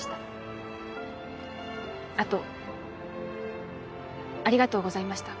あとありがとうございました。